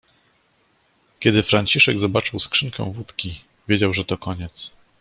Kiedy Franciszek zobaczył skrzynkę wódki - wiedział, że to koniec.